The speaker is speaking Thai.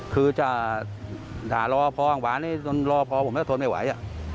คือจะหารอพ่อหวานให้รอพ่อผมก็ทนไม่ไหว